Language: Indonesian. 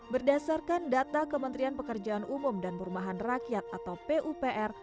berdasarkan data kementerian pekerjaan umum dan perumahan rakyat atau pupr